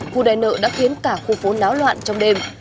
khu đòi nợ đã khiến cả khu phố náo loạn trong đêm